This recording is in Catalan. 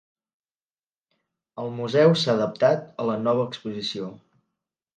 El museu s’ha adaptat a la nova exposició.